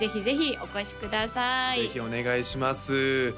ぜひお願いします